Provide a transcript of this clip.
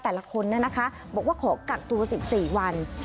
แต่ละคนนั้นนะคะบอกว่ากดตัวสิบสี่วัน